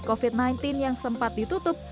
covid sembilan belas yang sempat ditutup